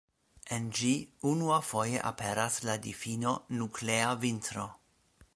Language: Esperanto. En ĝi unuafoje aperas la difino Nuklea Vintro.